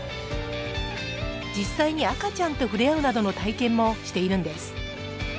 実際に赤ちゃんと触れ合うなどの体験もしているんです。